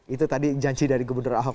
itu tadi janji dari gubernur ahok